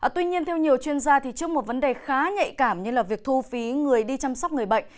tuy nhiên theo nhiều chuyên gia trước một vấn đề khá nhạy cảm như việc thu phí người đi chăm sóc người bệnh